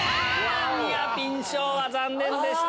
ニアピン賞は残念でした。